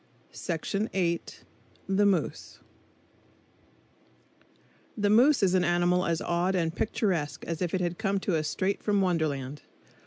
The Moose The moose is an animal as odd and picturesque as if it had come to us straight from Wonderland.